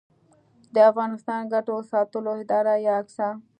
د افغانستان ګټو ساتلو اداره یا اګسا